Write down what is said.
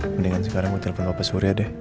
mendingan sekarang gue telepon papa surya deh